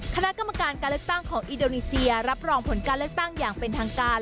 คณะกรรมการการเลือกตั้งของอินโดนีเซียรับรองผลการเลือกตั้งอย่างเป็นทางการ